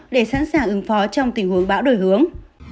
để sẵn sàng ứng phó trong tình huống bão đổi hướng